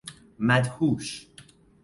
مدهوش